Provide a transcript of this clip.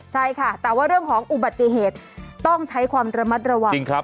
ใช่ค่ะแต่ว่าเรื่องของอุบัติเหตุต้องใช้ความระมัดระวัง